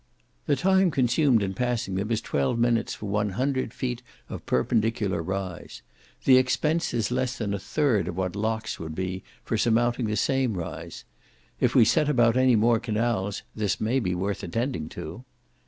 The time consumed in passing them is twelve minutes for one hundred feet of perpendicular rise. The expense is less than a third of what locks would be for surmounting the same rise. If we set about any more canals, this may be worth attending to.